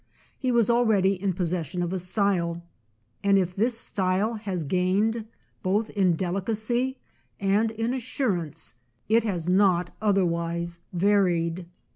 He was already in possession of a style; and if this style has gained both in delicacy and in assur ance, it has not otherwise varied.